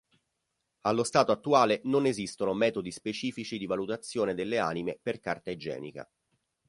Allo stato attuale non esistono metodi specifici di valutazione delle anime per carta igienica.